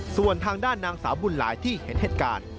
ส่วนทางด้านนางสาวบุญหลายที่เห็นเหตุการณ์